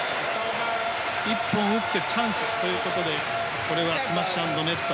１本打ってチャンスということでこれはスマッシュアンドネット。